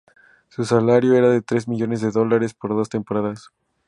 Su salario era de tres millones de dólares por dos temporadas.